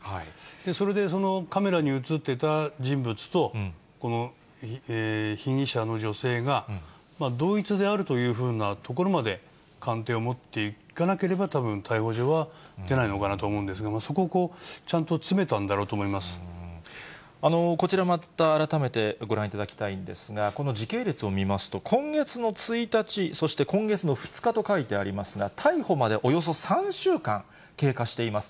それで、そのカメラに写っていた人物とこの被疑者の女性が同一であるというふうなところまで鑑定を持っていかなければ、たぶん、逮捕状は出ないのかなと思うんですが、そこをもう、ちゃんと詰めたんだこちらまた改めてご覧いただきたいんですが、この時系列を見ますと、今月の１日、そして今月の２日と書いてありますが、逮捕までおよそ３週間経過しています。